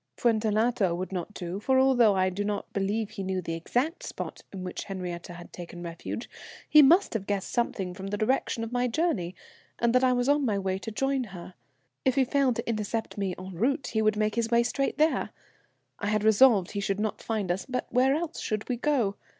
"Fuentellato would not do, for although I do not believe he knew the exact spot in which Henriette had taken refuge, he must have guessed something from the direction of my journey, and that I was on my way to join her. If he failed to intercept me en route, he would make his way straight there. I had resolved he should not find us, but where else should we go?